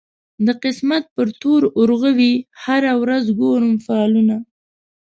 د قسمت پر تور اورغوي هره ورځ ګورم فالونه